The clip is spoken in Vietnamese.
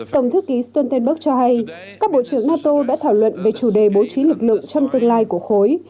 tổng thư ký stoltenberg cho hay các bộ trưởng nato đã thảo luận về chủ đề bố trí lực lượng trong tương lai của khối